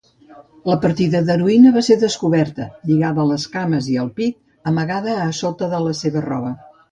La partida d'heroïna va ser descoberta lligada a les cames i al pit, amagada a sota de la seva roba.